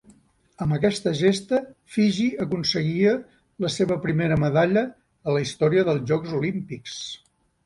Amb aquesta gesta, Fiji aconseguia la seva primera medalla a la història dels Jocs Olímpics.